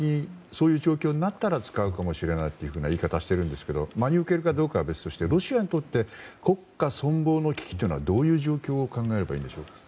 そういう状況になったら使うかもしれないという言い方をしていますが真に受けるかどうかは別としてロシアにとって国家存亡の危機というのはどういう状況を考えればいいんでしょうか。